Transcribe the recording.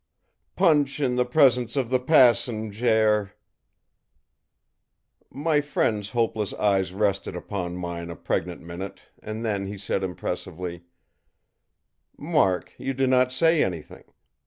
PUNCH in the presence of the passenjare!î My friend's hopeless eyes rested upon mine a pregnant minute, and then he said impressively: ìMark, you do not say anything.